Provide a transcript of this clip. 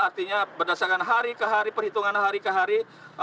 artinya berdasarkan hari ke hari perhitungan hari ke hari